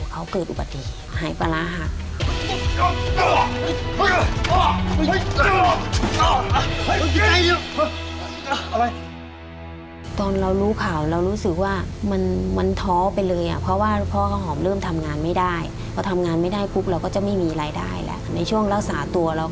เขาเกิดอุบัติหายปรารหัก